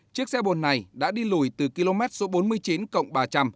chiếc xe bồn này đã đi lùi từ km số bốn mươi chín cộng ba trăm linh